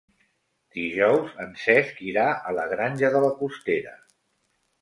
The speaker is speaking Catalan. Dijous en Cesc irà a la Granja de la Costera.